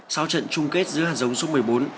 sau trận chung kết giữa hạt giống số một mươi bốn